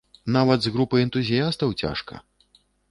Нават з групай энтузіястаў цяжка!